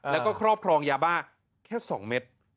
แล้วก็ครอบครองยาบ้าแค่๒เม็ด